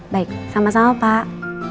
baik sama sama pak